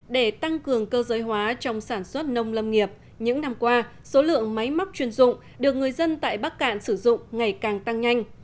để tăng cường cơ giới hóa trong sản xuất nông lâm nghiệp những năm qua số lượng máy móc chuyên dụng được người dân tại bắc cạn sử dụng ngày càng tăng nhanh